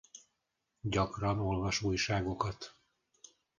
Gyakran olvas újságokat.